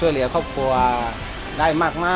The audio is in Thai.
อายุ๒๔ปีวันนี้บุ๋มนะคะ